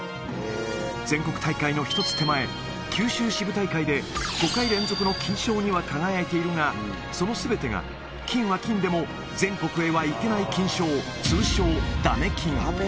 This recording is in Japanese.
全国大会の一つ手前、九州支部大会で、５回連続の金賞には輝いてはいるが、そのすべてが金は金でも、全国へは行けない金賞、通称、ダメ金。